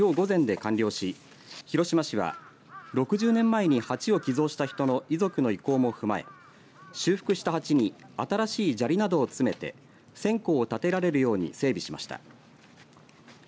修復作業はきょう午前で完了し広島市が６０年前に鉢を寄贈した人の遺族の意向も踏まえ修復した鉢に新しい砂利などを詰めて線香を立てられるように整備しました。